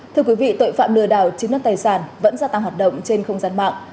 thưa quý vị tội phạm lừa đảo chiếm đất tài sản vẫn gia tăng hoạt động trên không gian mạng